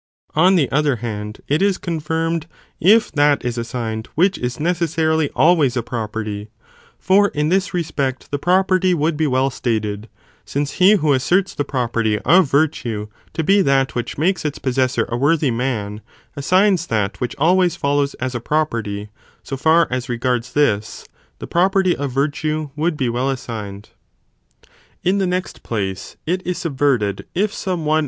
On the other hand, it is confirmed, if that is assigned which is necessarily always a property, for in this respect the property would be well stated, since he who asserts the property of virtue to be that which makes its possessor a worthy man, assigns that which always follows as 2 property, so far as regards this, the property of virtue would be well assigned. In the next place, it is subverted if some one , 4). Ve.